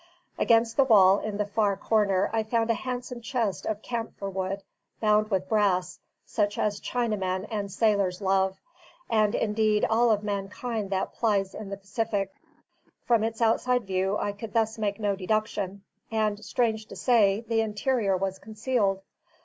Against the wall, in the far corner, I found a handsome chest of camphor wood bound with brass, such as Chinamen and sailors love, and indeed all of mankind that plies in the Pacific. From its outside view I could thus make no deduction; and, strange to say, the interior was concealed.